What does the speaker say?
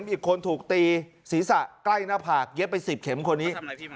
อีกคนถูกตีศีรษะใกล้หน้าผากเย็บไป๑๐เข็มคนนี้